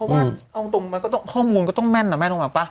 เพราะว่าเอาจริงมาค้าวมูลก็ต้องแม่นหรอแม่งต้องมาป่ะ